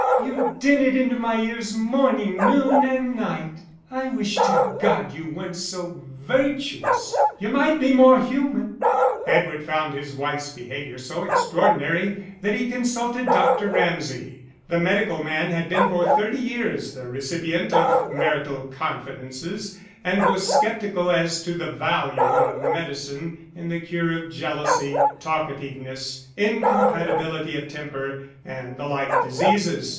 You din it into my ears morning, noon, and night. I wish to God you weren't so virtuous you might be more human." Edward found his wife's behaviour so extraordinary that he consulted Dr. Ramsay. The medical man had been for thirty years the recipient of marital confidences, and was sceptical as to the value of medicine in the cure of jealousy, talkativeness, incompatibility of temper, and the like diseases.